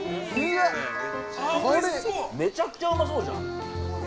◆わっ、これ◆めちゃくちゃうまそうじゃん。